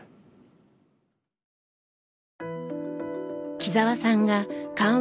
木澤さんが緩和